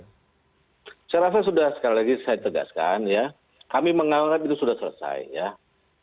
saya rasa sudah sekali lagi saya tegaskan ya kami menganggap itu sudah selesai ya